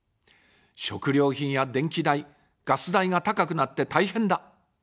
食料品や電気代、ガス代が高くなって大変だ。